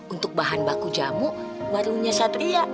untuk bahan baku jamu barunya satria